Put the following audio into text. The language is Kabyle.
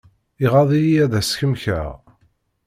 Iɣaḍ-iyi ad as-kemmkeɣ.